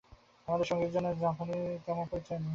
আমার সঙ্গে জাপানীদের তেমন পরিচয় নেই।